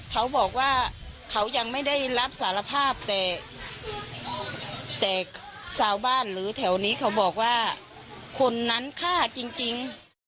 เขาบอกว่าเขายังไม่ได้รับสารภาพแต่ชาวบ้านหรือแถวนี้เขาบอกว่าคนนั้นฆ่าจริง